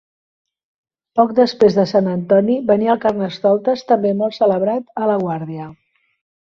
Poc després de Sant Antoni venia el Carnestoltes, també molt celebrat a la Guàrdia.